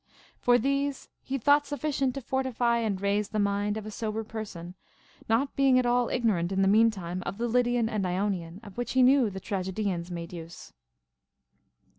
For these he thought sufficient to fortify. and raise the mind of a sober person ; not being at all ignorant in the mean time of the Lydian and Ionian, of which he knew the trage dians made use.